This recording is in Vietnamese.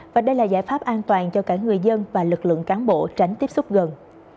và đây là giải pháp an toàn cho cả người dân và lực lượng cán bộ tránh tiếp xúc gần